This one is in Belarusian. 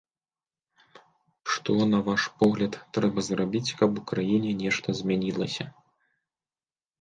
Што, на ваш погляд, трэба зрабіць, каб у краіне нешта змянілася?